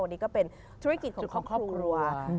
นี่ก็เป็นธุรกิจของครอบครัว